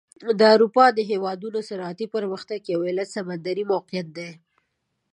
د اروپا د هېوادونو صنعتي پرمختګ یو علت سمندري موقعیت دی.